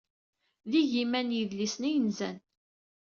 D igiman n yidlisen ay yenzan.